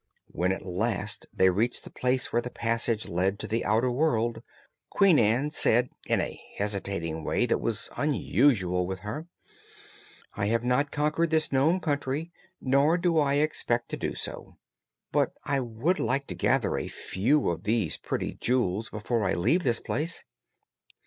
When at last they reached the place where the passage led to the outer world, Queen Ann said, in a hesitating way that was unusual with her: "I have not conquered this Nome Country, nor do I expect to do so; but I would like to gather a few of these pretty jewels before I leave this place."